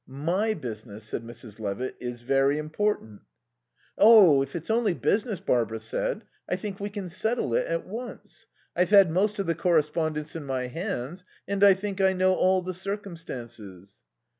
"My business," said Mrs. Levitt, "is very important." "Oh, if it's only business," Barbara said, "I think we can settle it at once. I've had most of the correspondence in my hands and I think I know all the circumstances."